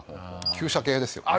旧車系ですよね？